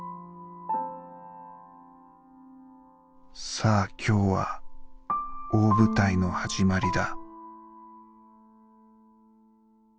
「さあ今日は大舞台の始まりだ」。